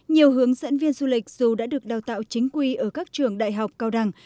nhiều hướng dẫn viên du lịch dù đã được đào tạo chính quy ở các trường đại học cao đẳng